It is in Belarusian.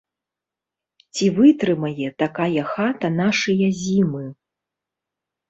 Ці вытрымае такая хата нашыя зімы?